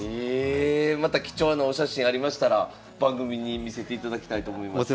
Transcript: えまた貴重なお写真ありましたら番組に見せていただきたいと思います。